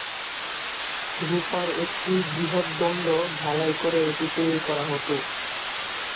রুপার একটি বৃহৎ দণ্ড ঢালাই করে এটি তৈরি করা হতো।